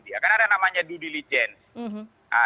ya kan ada namanya due diligence